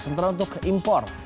sementara untuk impor